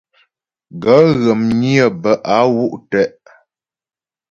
Gaə̂ ghə̀ mnyə́ bə a wú’ tə'.